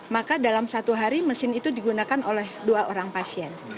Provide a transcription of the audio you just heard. maka dalam satu hari mesin itu digunakan oleh dua orang pasien